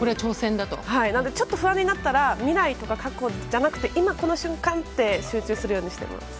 ちょっと不安になったら未来とか過去じゃなくて今、この瞬間って集中するようにしています。